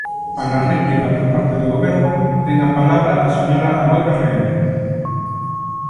Para a réplica, por parte do Goberno, ten a palabra a señora Aboi Bergueira.